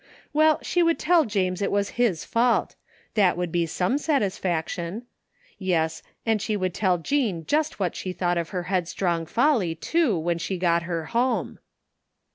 Well, she would tell James it was his fault; that would be some satisfaction. Yes, and she would tell Jean just what she thought of her headstrong folly, too, when she got her home.